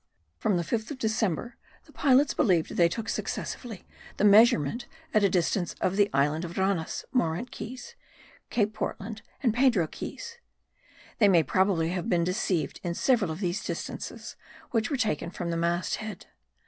From the 5th of December, the pilots believed they took successively the measurement at a distance of the island of Ranas (Morant Keys), Cape Portland and Pedro Keys. They may probably have been deceived in several of these distances, which were taken from the mast head.